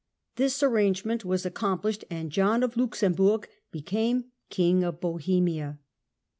This ar Luxem rangement was accomplished and John of Luxemburg be chosen came King of Bohemia.